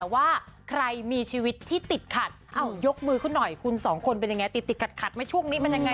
ว่าใครมีชีวิตที่ติดขัดเอ้ายกมือขึ้นหน่อยคุณสองคนเป็นยังไงติดติดขัดไหมช่วงนี้มันยังไง